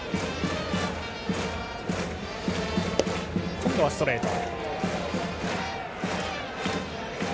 今度はストレート。